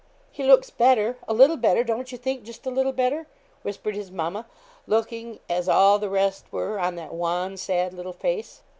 'He looks better a little better, don't you think; just a little better?' whispered his mamma, looking, as all the rest were, on that wan, sad little face.